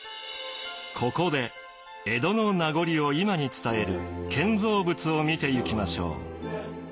ここで江戸の名残を今に伝える建造物を見てゆきましょう。